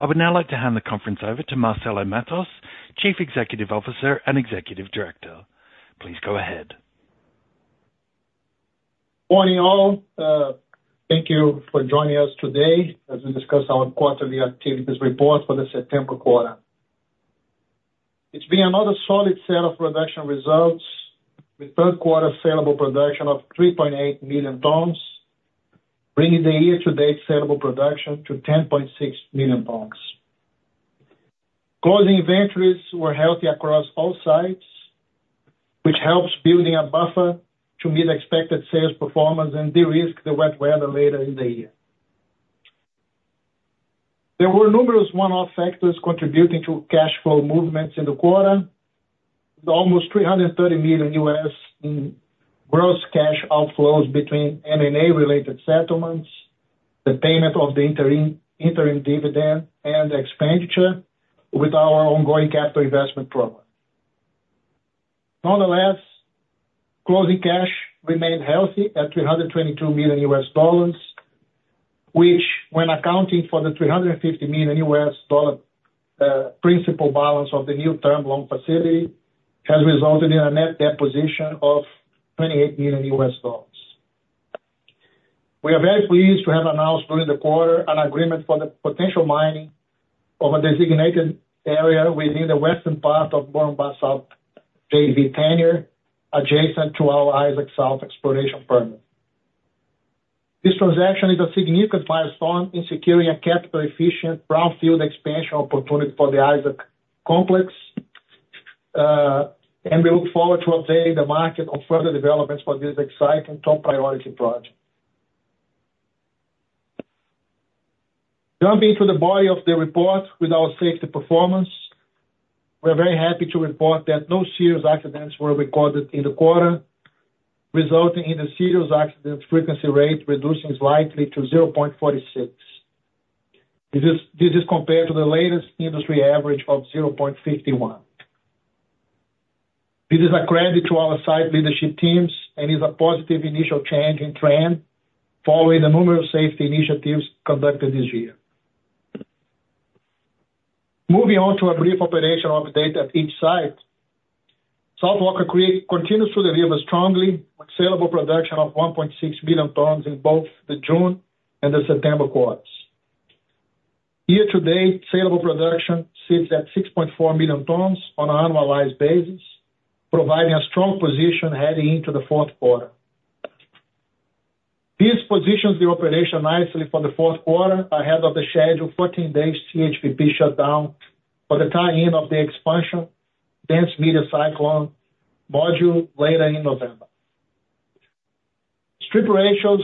I would now like to hand the conference over to Marcelo Matos, Chief Executive Officer and Executive Director. Please go ahead. Morning, all. Thank you for joining us today as we discuss our quarterly activities report for the September quarter. It's been another solid set of production results, with third quarter sellable production of 3.8 million tons, bringing the year-to-date sellable production to 10.6 million tons. Closing inventories were healthy across all sites, which helps building a buffer to meet expected sales performance and de-risk the wet weather later in the year. There were numerous one-off factors contributing to cash flow movements in the quarter. Almost $330 million in gross cash outflows between M&A-related settlements, the payment of the interim dividend, and expenditure with our ongoing capital investment program. Nonetheless, closing cash remained healthy at $322 million, which, when accounting for the $350 million principal balance of the new term loan facility, has resulted in a net debt position of $28 million. We are very pleased to have announced during the quarter an agreement for the potential mining of a designated area within the western part of Wotonga South JV tenure, adjacent to our Isaac South exploration permit. This transaction is a significant milestone in securing a capital efficient brownfield expansion opportunity for the Isaac Complex, and we look forward to updating the market on further developments for this exciting top priority project. Jumping to the body of the report with our safety performance. We're very happy to report that no serious accidents were recorded in the quarter, resulting in a serious accident frequency rate, reducing slightly to 0.46. This is compared to the latest industry average of 0.51. This is a credit to our site leadership teams and is a positive initial change in trend following a number of safety initiatives conducted this year. Moving on to a brief operational update at each site. South Walker Creek continues to deliver strongly on saleable production of 1.6 million tons in both the June and the September quarters. Year-to-date, saleable production sits at 6.4 million tons on an annualized basis, providing a strong position heading into the fourth quarter. This positions the operation nicely for the fourth quarter, ahead of the scheduled 14-day CHPP shutdown for the tie-in of the expansion, dense media cyclone module later in November. Strip ratios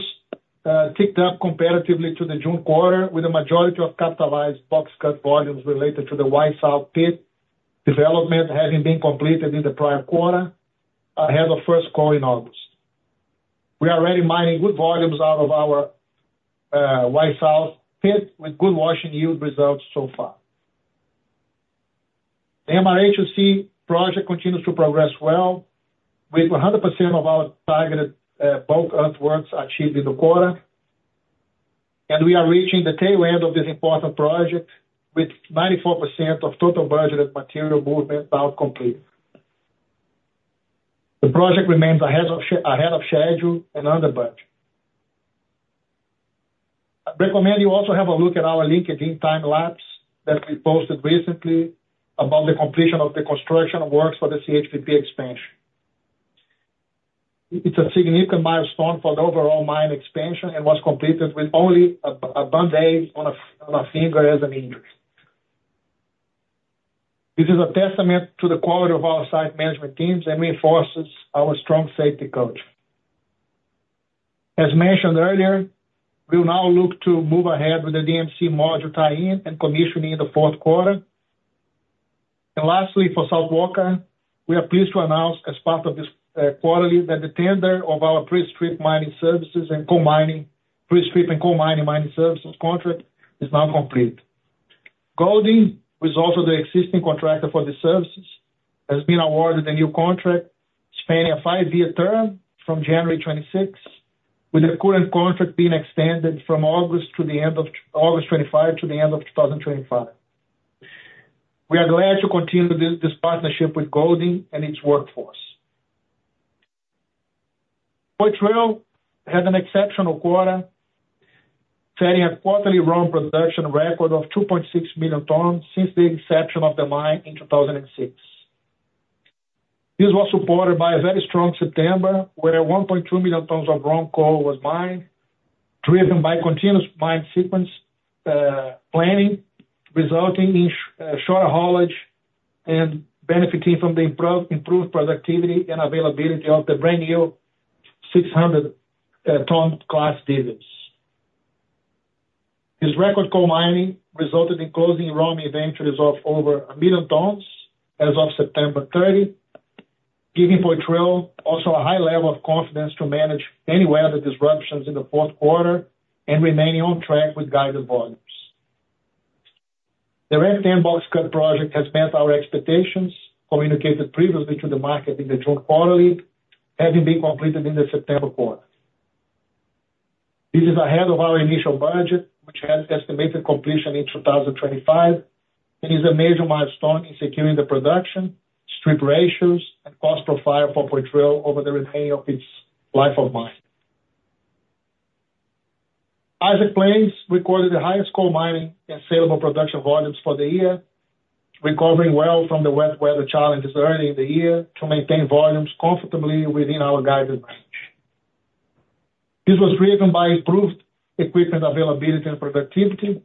ticked up comparatively to the June quarter, with the majority of capitalized box cut volumes related to the Y South Pit development having been completed in the prior quarter, ahead of first coal in August. We are already mining good volumes out of our Y-South Pit, with good washing yield results so far. The MRA2C project continues to progress well, with 100% of our targeted bulk earthworks achieved in the quarter, and we are reaching the tail end of this important project with 94% of total budgeted material movement now complete. The project remains ahead of schedule and under budget. I recommend you also have a look at our LinkedIn time lapse that we posted recently about the completion of the construction works for the CHPP expansion. It's a significant milestone for the overall mine expansion and was completed with only a Band-Aid on a finger as an injury. This is a testament to the quality of our site management teams and reinforces our strong safety culture. As mentioned earlier, we will now look to move ahead with the DMC module tie-in and commissioning in the fourth quarter. And lastly, for South Walker, we are pleased to announce, as part of this quarterly, that the tender of our pre-strip mining services and coal mining services contract is now complete. Golding, who is also the existing contractor for the services, has been awarded a new contract spanning a five-year term from January 2026, with the current contract being extended from August to the end of August 2025 to the end of 2025. We are glad to continue this partnership with Golding and its workforce. Poitrel had an exceptional quarter, setting a quarterly raw production record of 2.6 million tons since the inception of the mine in 2006. This was supported by a very strong September, where 1.2 million tons of raw coal was mined, driven by continuous mine sequence planning, resulting in shorter haulage and benefiting from the improved productivity and availability of the brand new 600-ton class diggers. This record coal mining resulted in closing raw inventories of over a million tons as of September 30, giving Poitrel also a high level of confidence to manage any weather disruptions in the fourth quarter and remaining on track with guided volumes. The Ramp 10 North project has met our expectations, communicated previously to the market in the June quarterly, having been completed in the September quarter. This is ahead of our initial budget, which has estimated completion in 2025, and is a major milestone in securing the production, strip ratios, and cost profile for Poitrel over the remaining of its life of mine. Isaac Plains recorded the highest coal mining and saleable production volumes for the year, recovering well from the wet weather challenges early in the year to maintain volumes comfortably within our guided range. This was driven by improved equipment availability and productivity,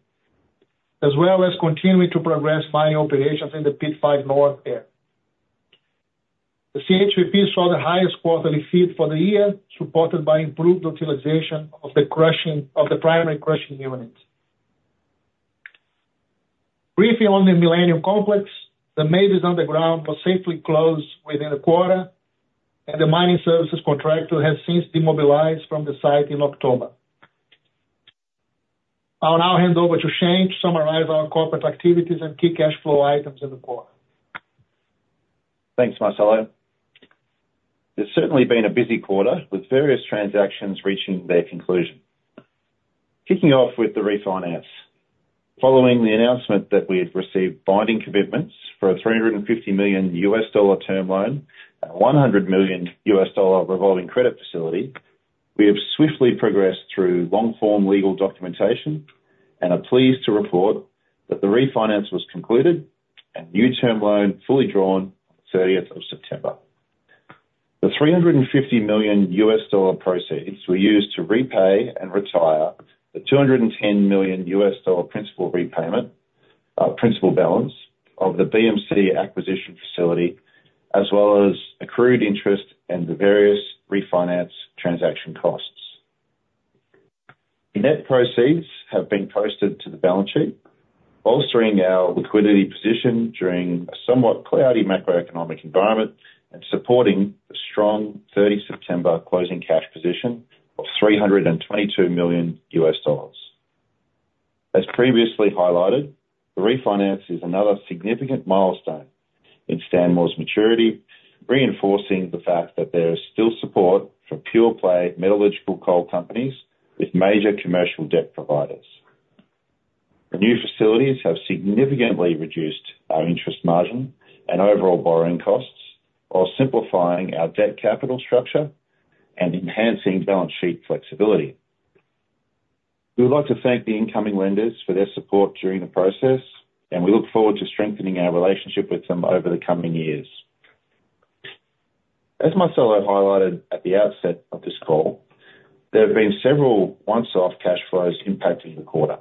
as well as continuing to progress mining operations in the Pit 5 North area. The CHPP saw the highest quarterly feed for the year, supported by improved utilization of the crushing, of the primary crushing units. Briefly on the Millennium Complex, the Mavis underground was safely closed within the quarter, and the mining services contractor has since demobilized from the site in October. I'll now hand over to Shane to summarize our corporate activities and key cash flow items in the quarter. Thanks, Marcelo. It's certainly been a busy quarter, with various transactions reaching their conclusion. Kicking off with the refinance. Following the announcement that we had received binding commitments for a $350 million term loan and $100 million revolving credit facility, we have swiftly progressed through long-form legal documentation, and are pleased to report that the refinance was concluded and new term loan fully drawn on 30th of September. The $350 million proceeds were used to repay and retire the $210 million principal balance of the BMC acquisition facility, as well as accrued interest and the various refinance transaction costs. The net proceeds have been posted to the balance sheet, bolstering our liquidity position during a somewhat cloudy macroeconomic environment, and supporting the strong 30 September closing cash position of $322 million. As previously highlighted, the refinance is another significant milestone in Stanmore's maturity, reinforcing the fact that there is still support for pure-play metallurgical coal companies with major commercial debt providers. The new facilities have significantly reduced our interest margin and overall borrowing costs, while simplifying our debt capital structure and enhancing balance sheet flexibility. We would like to thank the incoming lenders for their support during the process, and we look forward to strengthening our relationship with them over the coming years. As Marcelo highlighted at the outset of this call, there have been several once-off cash flows impacting the quarter.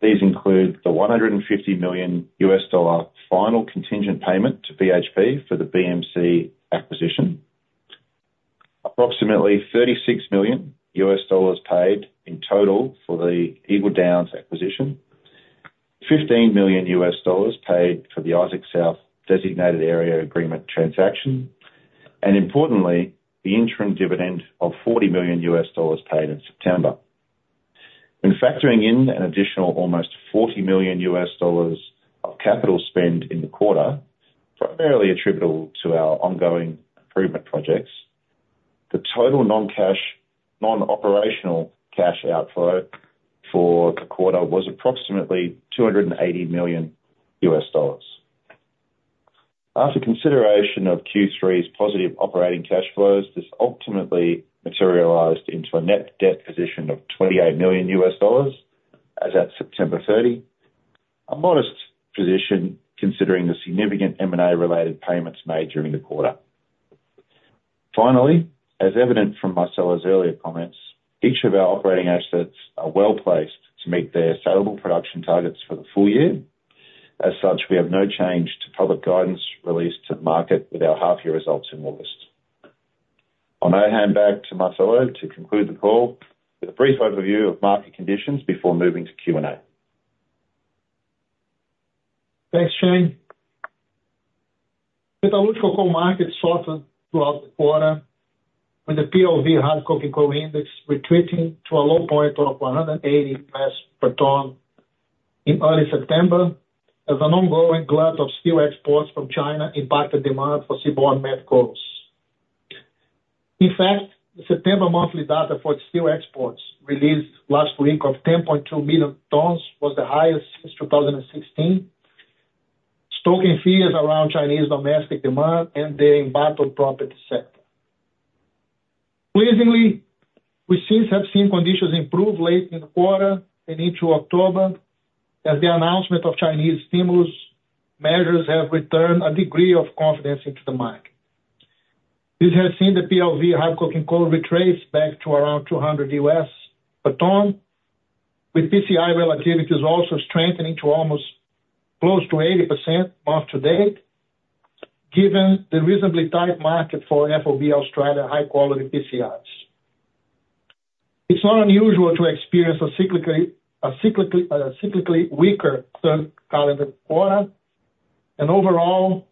These include the $150 million final contingent payment to BHP for the BMC acquisition, approximately $36 million paid in total for the Eagle Downs acquisition, $15 million paid for the Isaac South Designated Area Agreement transaction, and importantly, the interim dividend of $40 million paid in September. When factoring in an additional almost $40 million of capital spend in the quarter, primarily attributable to our ongoing improvement projects, the total non-cash, non-operational cash outflow for the quarter was approximately $280 million. After consideration of Q3's positive operating cash flows, this ultimately materialized into a net debt position of $28 million as at September 30, a modest position considering the significant M&A-related payments made during the quarter. Finally, as evident from Marcelo's earlier comments, each of our operating assets are well-placed to meet their saleable production targets for the full year. As such, we have no change to public guidance released to the market with our half-year results in August. I'll now hand back to Marcelo to conclude the call with a brief overview of market conditions before moving to Q&A. Thanks, Shane. Metallurgical coal market softened throughout the quarter, with the PLV Hard Coking Coal Index retreating to a low point of $180 per ton in early September, as an ongoing glut of steel exports from China impacted demand for seaborne met coals. In fact, the September monthly data for the steel exports, released last week, of 10.2 million tons, was the highest since 2016, stoking fears around Chinese domestic demand and their impacted property sector. Pleasingly, we since have seen conditions improve late in the quarter and into October, as the announcement of Chinese stimulus measures have returned a degree of confidence into the market. This has seen the PLV Hard Coking Coal retrace back to around $200 per ton, with PCI relativities also strengthening to almost close to 80% month to date, given the reasonably tight market for FOB Australia high-quality PCIs. It's not unusual to experience a cyclically weaker third calendar quarter, and overall,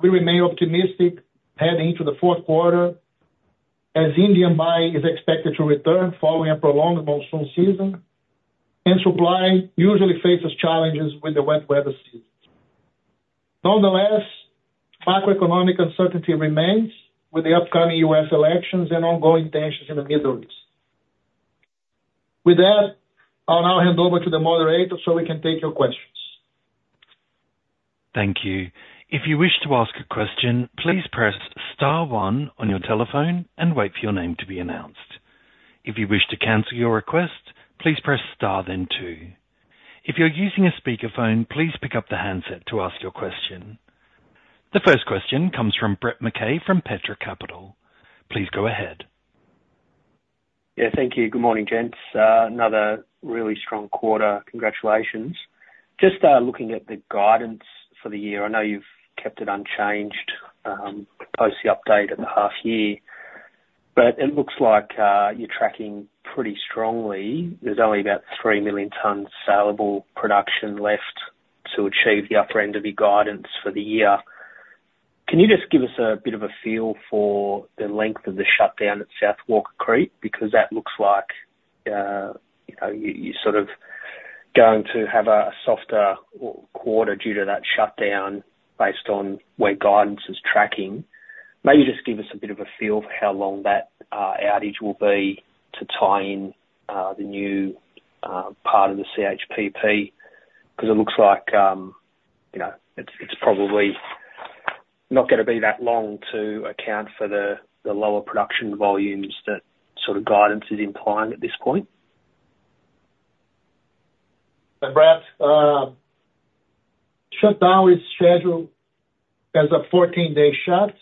we remain optimistic heading into the fourth quarter, as Indian buying is expected to return following a prolonged monsoon season, and supply usually faces challenges with the wet weather season. Nonetheless, macroeconomic uncertainty remains with the upcoming U.S. elections and ongoing tensions in the Middle East. With that, I'll now hand over to the moderator, so we can take your questions. Thank you. If you wish to ask a question, please press star one on your telephone and wait for your name to be announced. If you wish to cancel your request, please press star, then two. If you're using a speakerphone, please pick up the handset to ask your question. The first question comes from Brett McKay from Petra Capital. Please go ahead. Yeah, thank you. Good morning, gents. Another really strong quarter. Congratulations. Just looking at the guidance for the year, I know you've kept it unchanged post the update at the half year, but it looks like you're tracking pretty strongly. There's only about 3 million tons saleable production left to achieve the upper end of your guidance for the year. Can you just give us a bit of a feel for the length of the shutdown at South Walker Creek? Because that looks like you know, you're sort of going to have a softer quarter due to that shutdown, based on where guidance is tracking. Maybe just give us a bit of a feel for how long that outage will be to tie in the new part of the CHPP. Because it looks like, you know, it's probably not gonna be that long to account for the lower production volumes, that sort of guidance is implying at this point. Brett, shutdown is scheduled as a 14-day shut.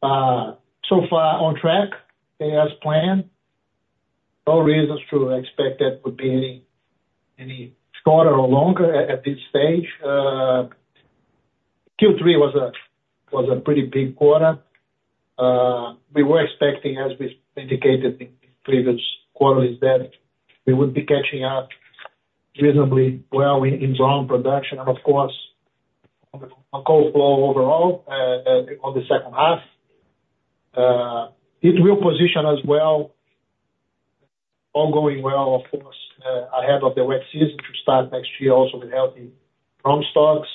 So far on track, as planned. No reasons to expect that would be any shorter or longer at this stage. Q3 was a pretty big quarter. We were expecting, as we indicated in previous quarters, that we would be catching up reasonably well in tonnage production and, of course, on the coal flow overall on the second half. It will position us well, all going well, of course, ahead of the wet season, to start next year, also with healthy ROM stocks.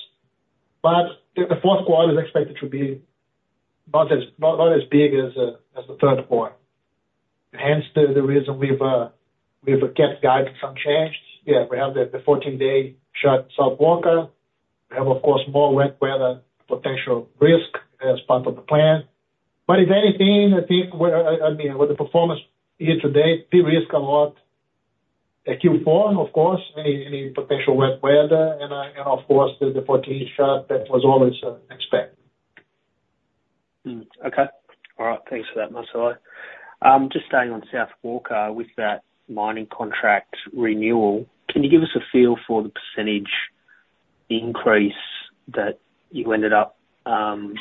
The fourth quarter is expected to be not as big as the third quarter. Hence, the reason we've kept guidance unchanged. Yeah, we have the 14-day shut, South Walker. We have, of course, more wet weather potential risk as part of the plan. But if anything, I think we're I mean, with the performance here today, we risk a lot at Q4, of course, any potential wet weather and, and of course, the 14-day shut that was always expected. Hmm, okay. All right, thanks for that, Marcelo. Just staying on South Walker, with that mining contract renewal, can you give us a feel for the percentage increase that you ended up landing,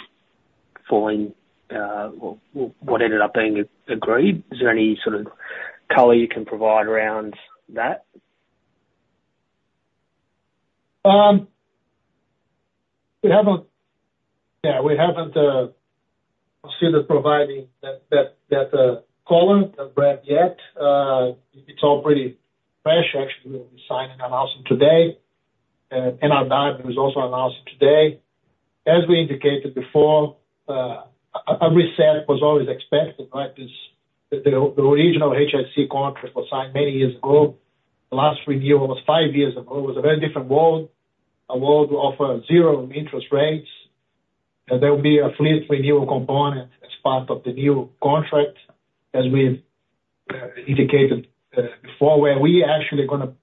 or what ended up being agreed? Is there any sort of color you can provide around that? We haven't. Yeah, we haven't considered providing that color, Brett, yet. It's all pretty fresh, actually. We signed and announced it today, and our guide was also announced today. As we indicated before, a reset was always expected, right? The original HIC contract was signed many years ago. The last review was five years ago. It was a very different world, a world of zero interest rates, and there will be a fleet renewal component as part of the new contract, as we've indicated before, where we actually gonna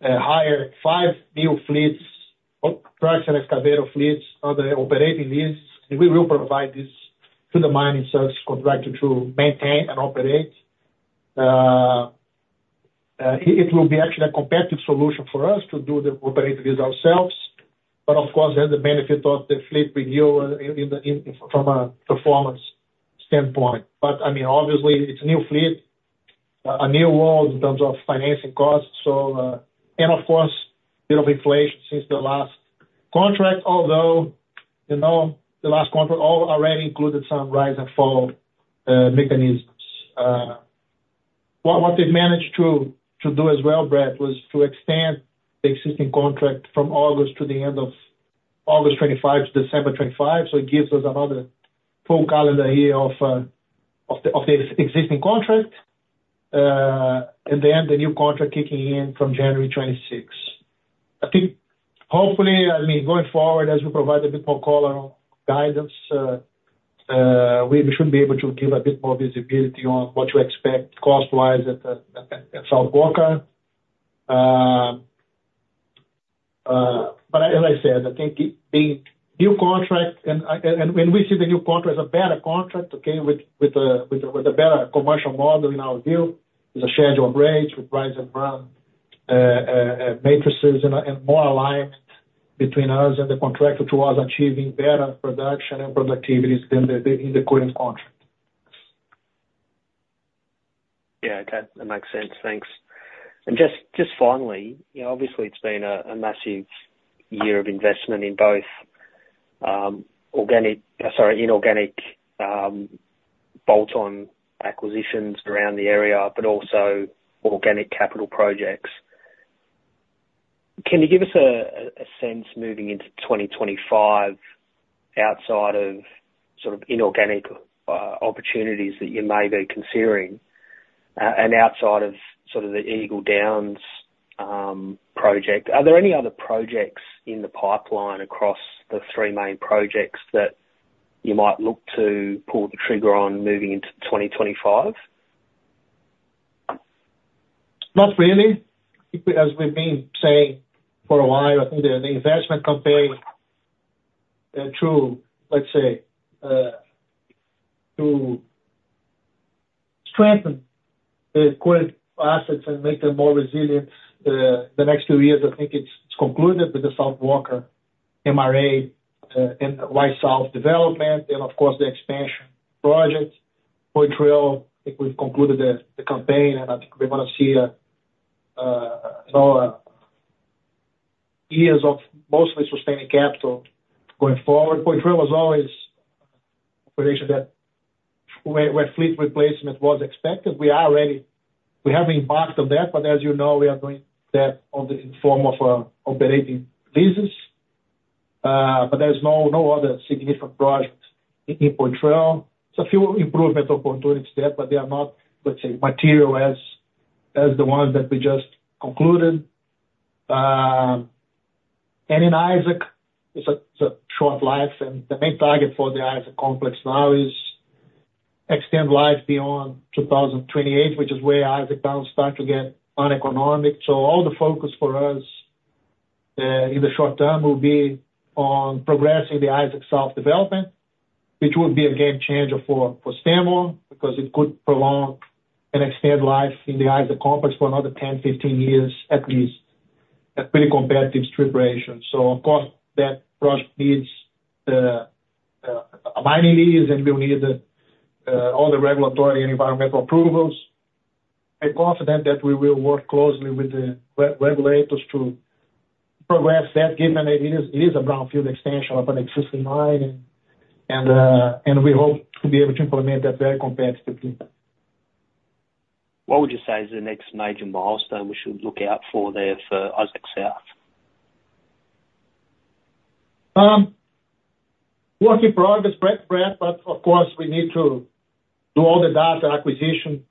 hire five new fleets, trucks and excavator fleets on the operating lease. We will provide this to the mining service contractor to maintain and operate. It will be actually a competitive solution for us to do the operating lease ourselves. Of course, there's the benefit of the fleet renewal from a performance standpoint. I mean, obviously, it's a new fleet, a new world in terms of financing costs. And of course, a bit of inflation since the last contract, although, you know, the last contract already included some rise and fall mechanisms. What we've managed to do as well, Brett, was to extend the existing contract from August to the end of August 2025 to December 2025. So it gives us another full calendar year of the existing contract. And then the new contract kicking in from January 2026. I think hopefully, I mean, going forward, as we provide a bit more color on guidance, we should be able to give a bit more visibility on what to expect cost-wise at South Walker. But as I said, I think the new contract and we see the new contract as a better contract, okay? With a better commercial model in our view, with a scheduled rate, with price and run matrices and more aligned between us and the contractor towards achieving better production and productivities than in the current contract. Yeah, okay. That makes sense. Thanks. And just finally, you know, obviously it's been a massive year of investment in both organic, sorry, inorganic bolt-on acquisitions around the area, but also organic capital projects. Can you give us a sense moving into 2025, outside of sort of inorganic opportunities that you may be considering, and outside of sort of the Eagle Downs project, are there any other projects in the pipeline across the three main projects that you might look to pull the trigger on moving into 2025? Not really. As we've been saying for a while, I think the investment campaign through, let's say, to strengthen the current assets and make them more resilient, the next two years, I think it's concluded with the South Walker MRA and Y-South development, and of course, the expansion project. Poitrel, I think we've concluded the campaign, and I think we're gonna see a you know years of mostly sustaining capital going forward. Poitrel was always an operation that where fleet replacement was expected. We are already. We have embarked on that, but as you know, we are doing that on the form of operating leases. But there's no other significant projects in Poitrel. There's a few improvement opportunities there, but they are not, let's say, material as, as the ones that we just concluded. In Isaac, it's a short life, and the main target for the Isaac Complex now is extend life beyond 2028, which is where Isaac Downs start to get uneconomic. All the focus for us, in the short term will be on progressing the Isaac South development, which will be a game changer for Stanmore, because it could prolong and extend life in the Isaac Complex for another 10-15 years, at least, at pretty competitive strip ratios. Of course, that project needs mining lease, and we'll need all the regulatory and environmental approvals. I'm confident that we will work closely with the regulators to progress that, given that it is a brownfield extension of an existing mine, and we hope to be able to implement that very competitively. What would you say is the next major milestone we should look out for there for Isaac South? Work in progress, Brett, but of course, we need to do all the data acquisition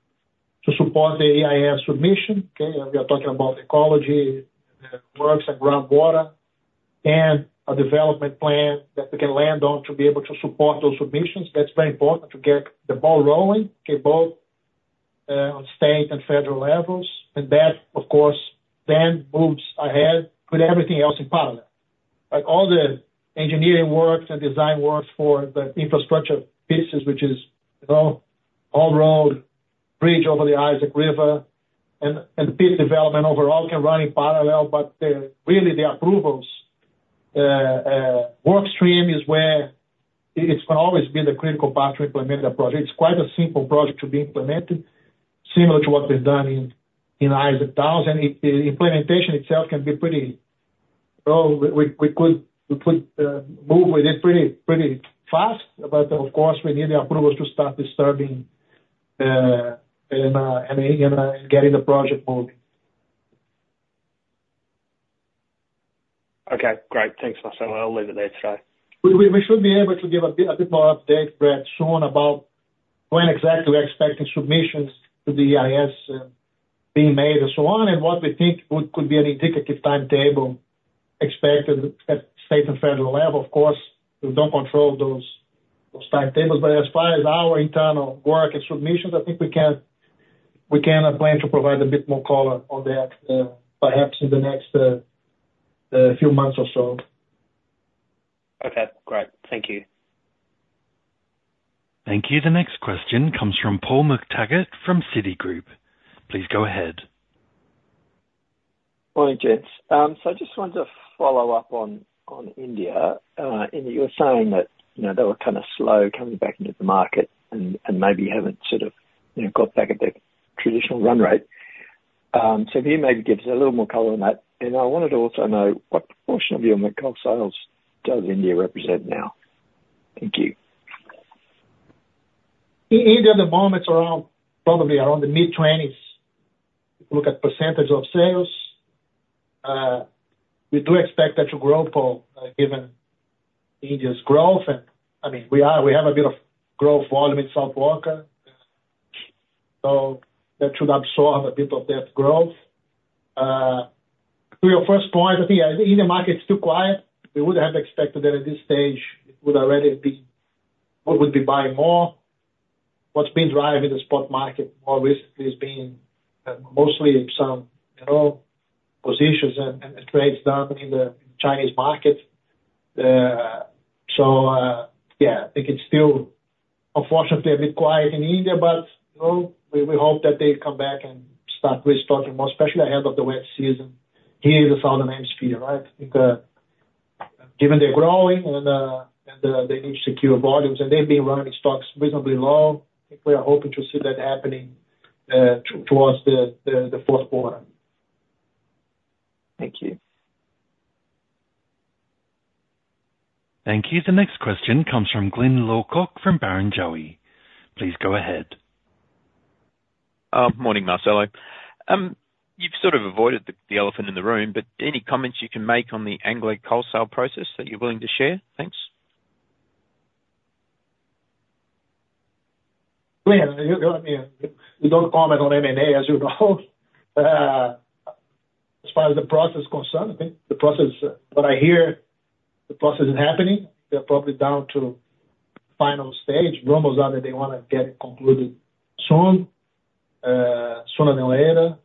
to support the EIS submission. Okay? We are talking about ecology works and groundwater, and a development plan that we can land on to be able to support those submissions. That's very important to get the ball rolling, okay, both on state and federal levels. And that, of course, then moves ahead with everything else in parallel. Like, all the engineering works and design works for the infrastructure pieces, which is, you know, all road, bridge over the Isaac River, and the pit development overall can run in parallel. But really, the approvals work stream is where it's gonna always be the critical path to implement the project. It's quite a simple project to be implemented, similar to what we've done in Isaac Downs. The implementation itself can be pretty well. We could move with it pretty fast, but of course we need the approvals to start disturbing and getting the project moving. Okay, great. Thanks, Marcel. I'll leave it there today. We should be able to give a bit more update, Brett, soon about when exactly we're expecting submissions to the EIS being made and so on, and what we think could be an indicative timetable expected at state and federal level. Of course, we don't control those timetables, but as far as our internal work and submissions, I think we can plan to provide a bit more color on that, perhaps in the next few months or so. Okay, great. Thank you. Thank you. The next question comes from Paul McTaggart, from Citigroup. Please go ahead. Morning, gents. So I just wanted to follow up on India. India, you were saying that, you know, they were kind of slow coming back into the market and maybe haven't sort of, you know, got back at the traditional run rate. So if you maybe give us a little more color on that. And I wanted to also know what proportion of your met coal sales does India represent now? Thank you. India at the moment is around, probably around the mid-twenties. If you look at percentage of sales, we do expect that to grow, Paul, given India's growth, and I mean, we have a bit of growth volume in South Walker, so that should absorb a bit of that growth. To your first point, I think India market's too quiet. We would have expected that at this stage it would already be buying more. What's been driving the spot market more recently has been mostly in some, you know, positions and the trades done in the Chinese market. So, yeah, I think it's still unfortunately a bit quiet in India, but, you know, we hope that they come back and start restocking more, especially ahead of the wet season here in the Southern Hemisphere, right? I think, given they're growing and they need to secure volumes, and they've been running stocks reasonably low, I think we are hoping to see that happening towards the fourth quarter.... Thank you. Thank you. The next question comes from Glyn Lawcock from Barrenjoey. Please go ahead. Morning, Marcelo. You've sort of avoided the elephant in the room, but any comments you can make on the Anglo coal sale process that you're willing to share? Thanks. Glyn, you know me, we don't comment on M&A, as you know. As far as the process is concerned, I think the process, what I hear, the process is happening. They're probably down to final stage. Rumors are that they wanna get it concluded soon, sooner than later,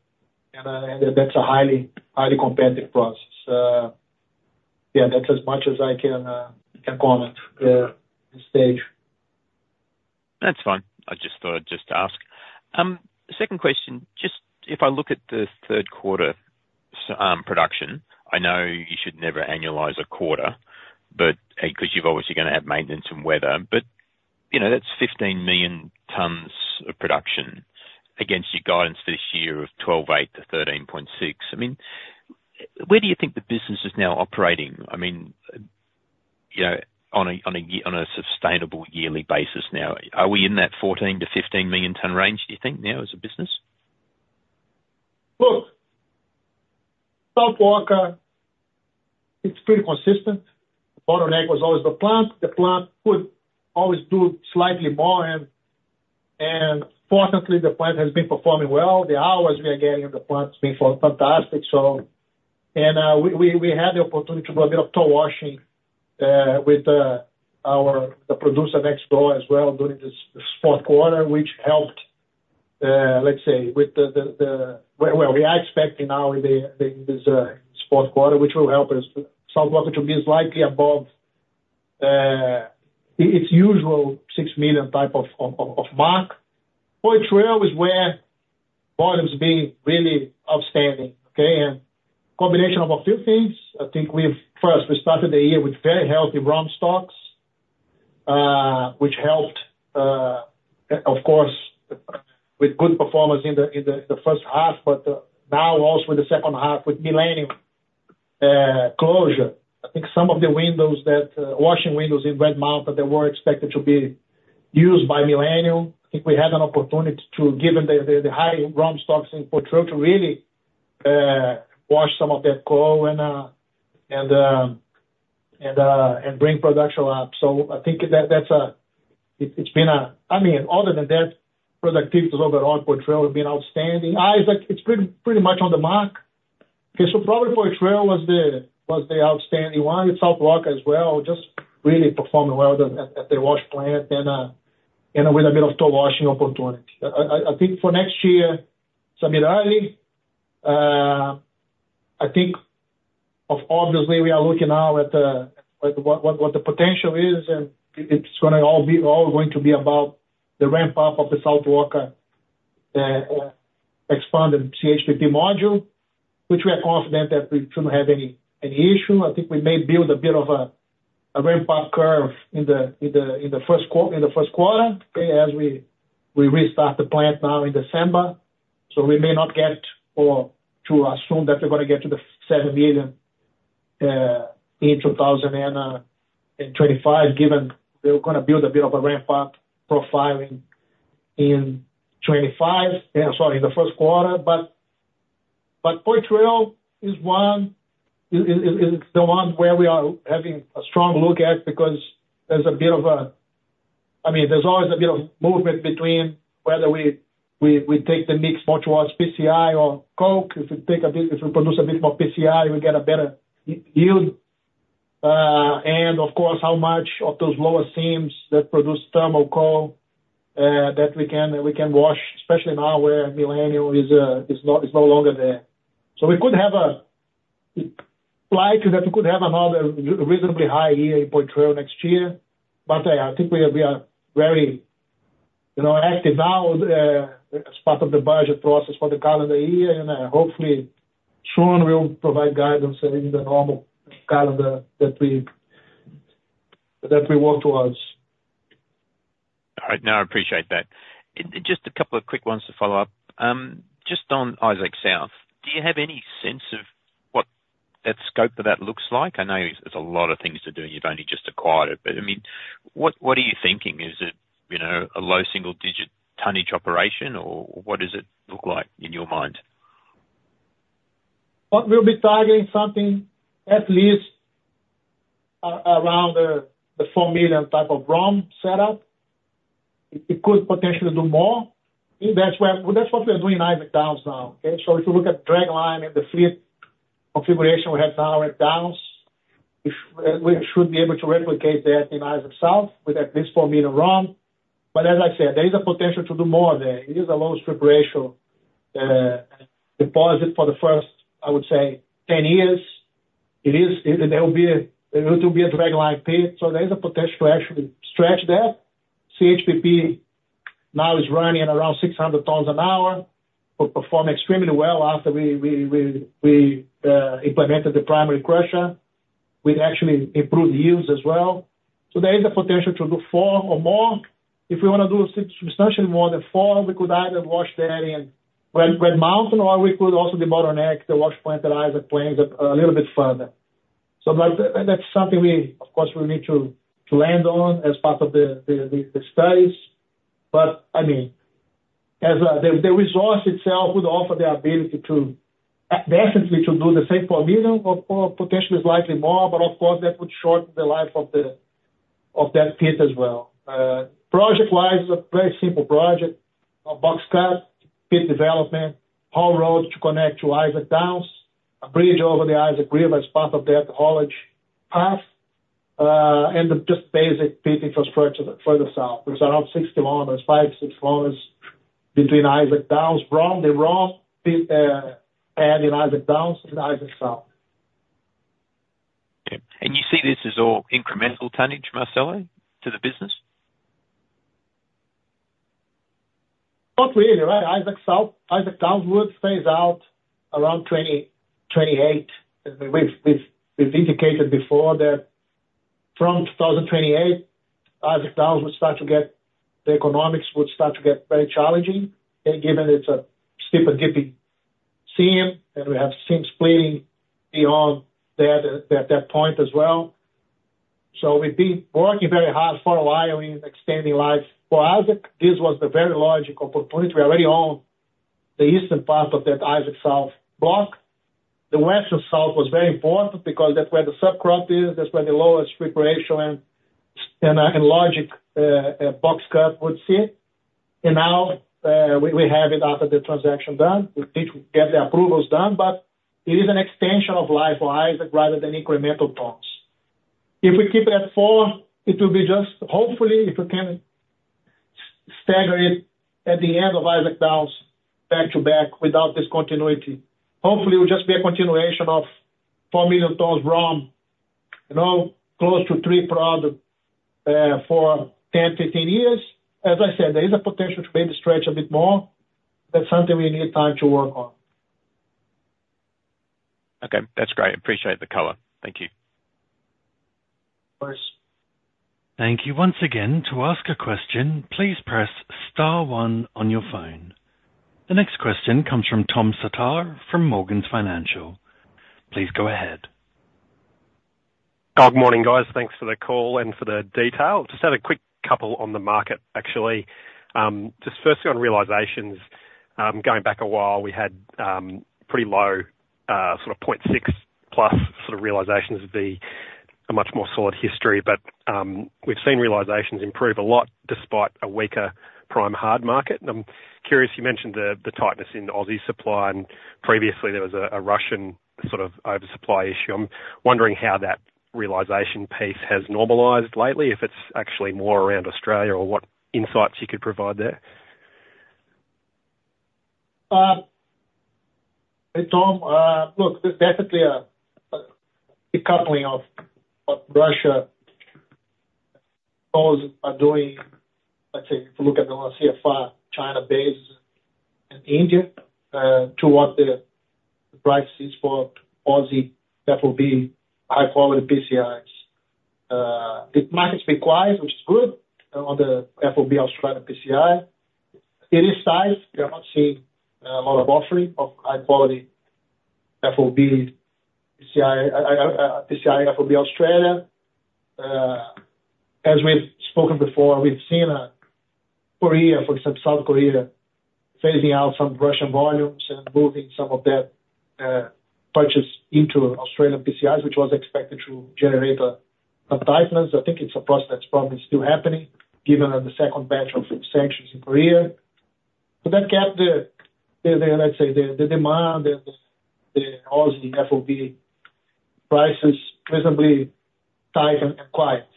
and that's a highly, highly competitive process. Yeah, that's as much as I can comment at this stage. That's fine. I just thought I'd just ask. Second question, just if I look at the third quarter production, I know you should never annualize a quarter, but 'cause you've obviously gonna have maintenance and weather, but you know, that's 15 million tons of production against your guidance for this year of 12.8-13.6. I mean, where do you think the business is now operating? I mean, you know, on a sustainable yearly basis now, are we in that 14-15 million ton range, do you think now as a business? Look, South Walker, it's pretty consistent. Bottleneck was always the plant. The plant could always do slightly more, and fortunately, the plant has been performing well. The hours we are getting in the plant has been fantastic. So. And we had the opportunity to do a bit of toll washing with the producer next door as well, during this fourth quarter, which helped, let's say, with the. Well, we are expecting now in this fourth quarter, which will help us South Walker to be slightly above its usual 6 million type of mark. Poitrel was where volume's been really outstanding, okay? And combination of a few things. I think we've first, we started the year with very healthy ROM stocks, which helped, of course, with good performance in the first half, but now also in the second half with Millennium closure. I think some of the windows that washing windows in Red Mountain that were expected to be used by Millennium, I think we had an opportunity, given the high ROM stocks in Poitrel to really wash some of that coal and and bring production up. So I think that that's a it, it's been a. I mean, other than that, productivity overall, Poitrel has been outstanding. Isaac, it's pretty much on the mark. Okay, so probably Poitrel was the outstanding one, and South Walker as well, just really performing well at the wash plant and with a bit of toll washing opportunity. I think for next year, it's a bit early. I think obviously we are looking now at what the potential is, and it's gonna all be about the ramp up of the South Walker expanded CHPP module, which we are confident that we shouldn't have any issue. I think we may build a bit of a ramp up curve in the first quarter, okay, as we restart the plant now in December. So we may not get to or assume that we're gonna get to the 7 million in 2025, given we're gonna build a bit of a ramp up profiling in 2025, sorry, in the first quarter. But Poitrel is the one where we are having a strong look at, because there's a bit of a... I mean, there's always a bit of movement between whether we take the mix more towards PCI or coke. If we take a bit, if we produce a bit more PCI, we get a better yield. And of course, how much of those lower seams that produce thermal coal that we can wash, especially now, where Millennium is no longer there. So we could have likely that we could have another reasonably high year in Poitrel next year. But I think we are very, you know, active now as part of the budget process for the calendar year. And hopefully, soon we'll provide guidance in the normal calendar that we work towards. All right. No, I appreciate that. And just a couple of quick ones to follow up. Just on Isaac South, do you have any sense of what that scope of that looks like? I know there's a lot of things to do, and you've only just acquired it, but I mean, what are you thinking? Is it, you know, a low single-digit tonnage operation, or what does it look like in your mind? We'll be targeting something at least around the 4 million type of ROM setup. It could potentially do more. That's what we are doing in Isaac Downs now, okay? So if you look at dragline and the fleet configuration we have now at Downs, we should be able to replicate that in Isaac South with at least 4 million ROM. But as I said, there is a potential to do more there. It is a low strip ratio deposit for the first, I would say, 10 years. It is. There will be a dragline pit, so there is a potential to actually stretch that. CHPP now is running at around 600 tons an hour, but perform extremely well after we implemented the primary crusher. We'd actually improve yields as well. There is a potential to do four or more. If we wanna do six, substantially more than four, we could either wash that in Red Mountain, or we could also do Modern X to wash Poitrel Isaac Plains a little bit further. But that's something we, of course, need to land on as part of the studies. But I mean, as the resource itself would offer the ability to definitely to do the same 4 million or potentially slightly more, but of course, that would shorten the life of that pit as well. Project-wise, a very simple project, a box cut, pit development, haul road to connect to Isaac Downs, a bridge over the Isaac River as part of that haulage path, and just basic pit infrastructure to the further south. It's around 60 kilometers, five to six kilometers between Isaac Downs and Isaac South. Okay. And you see this as all incremental tonnage, Marcelo, to the business? Not really, right? Isaac South, Isaac Downs would phase out around 2028. We've indicated before that from 2028, Isaac Downs, the economics would start to get very challenging, and given it's a steep and dipping seam, and we have seam splitting beyond that, at that point as well. So we've been working very hard for a while, I mean, extending life for Isaac. This was the very logical opportunity. We already own the eastern part of that Isaac South block. The western south was very important because that's where the subcrop is, that's where the lowest preparation and logistics box cut would sit. And now we have it after the transaction done. We need to get the approvals done, but it is an extension of life for Isaac rather than incremental tons. If we keep it at four, it will be just hopefully, if we can stagger it at the end of Isaac Downs back-to-back without discontinuity. Hopefully, it will just be a continuation of 4 million tons raw, you know, close to three product, for 10-15 years. As I said, there is a potential to maybe stretch a bit more. That's something we need time to work on. Okay. That's great. Appreciate the color. Thank you. Of course. Thank you once again. To ask a question, please press star one on your phone. The next question comes from Tom Sartor from Morgans Financial. Please go ahead. Good morning, guys. Thanks for the call and for the detail. Just had a quick couple on the market, actually. Just firstly on realizations, going back a while, we had pretty low sort of point six plus sort of realizations would be a much more solid history. But we've seen realizations improve a lot despite a weaker prime hard market. I'm curious, you mentioned the tightness in the Aussie supply, and previously there was a Russian sort of oversupply issue. I'm wondering how that realization piece has normalized lately, if it's actually more around Australia or what insights you could provide there? Hey, Tom. Look, there's definitely a decoupling of Russia. Those are doing, let's say, if you look at the CFR, China-based and India, towards the prices for Aussie FOB, high-quality PCIs. The market's been quiet, which is good on the FOB Australia PCI. It is tight. We are not seeing a lot of offering of high-quality FOB PCI, PCI FOB Australia. As we've spoken before, we've seen Korea, for instance, South Korea, phasing out some Russian volumes and moving some of that purchase into Australian PCIs, which was expected to generate a tightness. I think it's a process that's probably still happening, given that the second batch of sanctions in Korea. But that kept the, let's say, the demand and the Aussie FOB prices reasonably tight and quiet.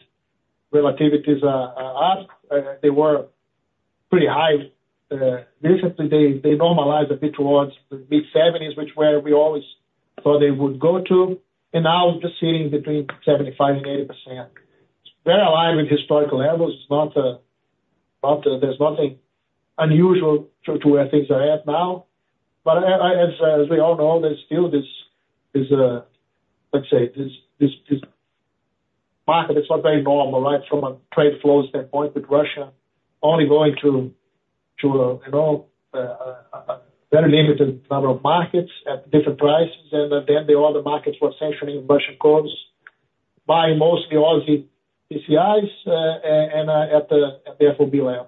Relativities are up. They were pretty high recently. They normalized a bit towards the mid-70s, which where we always thought they would go to, and now just sitting between 75% and 80%. It's very aligned with historical levels. It's not, not, there's nothing unusual to where things are at now. But as we all know, there's still this, let's say, this market is not very normal, right? From a trade flow standpoint, with Russia only going to, you know, a very limited number of markets at different prices, and then the other markets were sanctioning Russian coals, buying mostly Aussie PCIs, and at the FOB levels.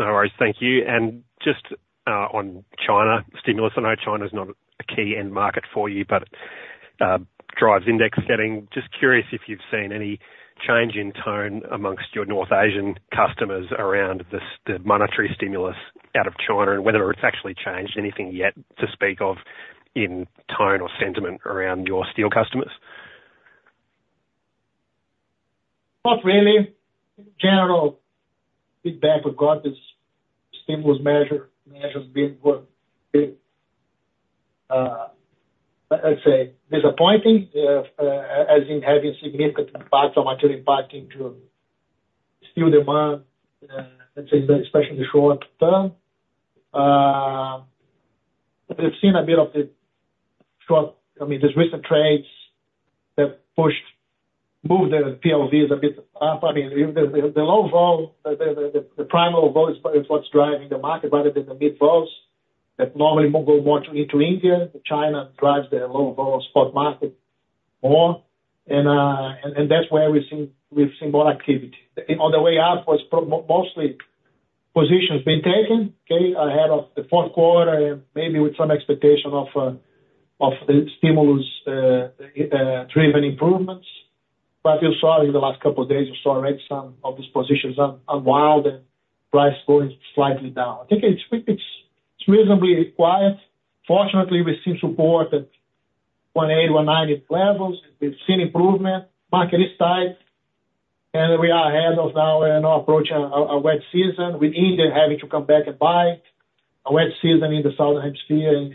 No worries. Thank you. And just, on China stimulus, I know China is not a key end market for you, but, drives index setting. Just curious if you've seen any change in tone amongst your North Asian customers around this, the monetary stimulus out of China, and whether it's actually changed anything yet to speak of in tone or sentiment around your steel customers? Not really. General feedback we've got is stimulus measures being, let's say, disappointing, as in having significant impact or material impact into steel demand, let's say, especially in the short term. I mean, there's recent trades that pushed, moved the PLVs a bit up. I mean, the low vol, the premium vol is what's driving the market, rather than the mid vols that normally move more into India. China drives the low vol spot market more. And that's where we've seen more activity. On the way up was mostly positions being taken, okay, ahead of the fourth quarter and maybe with some expectation of the stimulus driven improvements. But you saw in the last couple of days, you saw already some of these positions unwound and price going slightly down. I think it's reasonably quiet. Fortunately, we've seen support at $180-$190 levels. We've seen improvement. Market is tight, and we are ahead of now and approaching a wet season, with India having to come back and buy. A wet season in the Southern Hemisphere and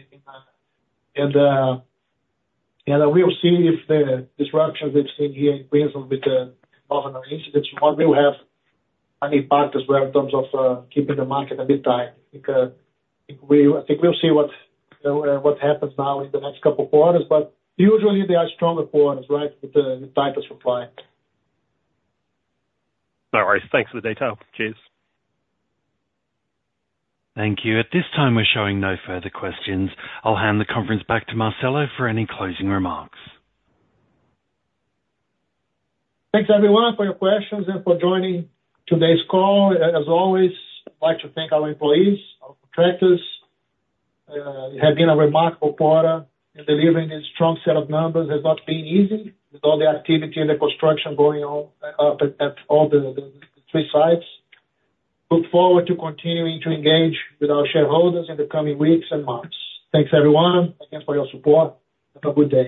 we'll see if the disruptions we've seen here in Queensland with the Grosvenor incident will have an impact as well, in terms of keeping the market a bit tight. Because I think we'll see what happens now in the next couple of quarters, but usually they are stronger quarters, right? With the tighter supply. No worries. Thanks for the detail. Cheers. Thank you. At this time, we're showing no further questions. I'll hand the conference back to Marcelo for any closing remarks. Thanks, everyone, for your questions and for joining today's call. As always, I'd like to thank our employees, our contractors. It has been a remarkable quarter, and delivering a strong set of numbers has not been easy, with all the activity and the construction going on at all the three sites. Look forward to continuing to engage with our shareholders in the coming weeks and months. Thanks, everyone. Thank you for your support, and have a good day.